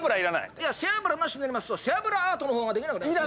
背脂なしになりますと背脂アートのほうができなくなります！